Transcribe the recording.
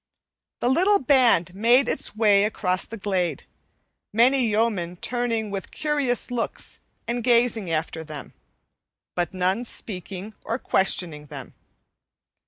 The little band made its way across the glade, many yeomen turning with curious looks and gazing after them, but none speaking or questioning them.